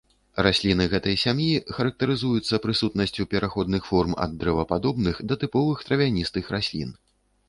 Расліны гэтай сям'і характарызуюцца прысутнасцю пераходных форм ад дрэвападобных да тыповых травяністых раслін.